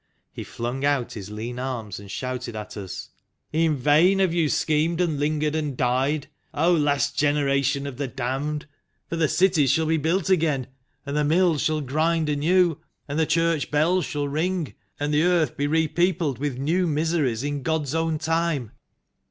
He flung out his lean arms and shouted at us: " In vain have you schemed and lingered and died, O Last Generation of the Damned. For the cities shall be built again, and the mills shall grind anew, and the church bells shall ring, and the Earth be re peopled with new miseries in God's own time."